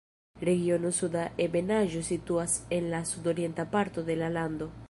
Regiono Suda Ebenaĵo situas en la sudorienta parto de la lando.